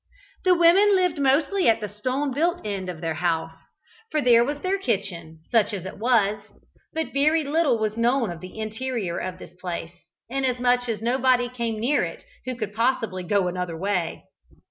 The women lived mostly at the stone built end of their house, for there was their kitchen, such as it was; but very little was known of the interior of this place, inasmuch as nobody came near it who could possibly go another way.